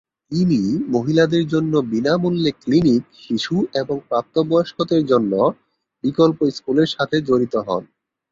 তিনি মহিলাদের জন্য বিনামূল্যে ক্লিনিক, শিশু এবং প্রাপ্তবয়স্কদের জন্য বিকল্প স্কুলের সাথে জড়িত হন।